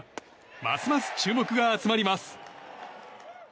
ますます注目が集まります。